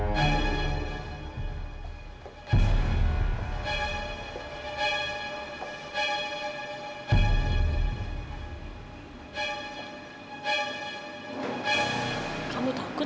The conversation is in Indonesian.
jadi kamu harap buat kamu